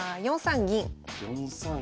４三銀。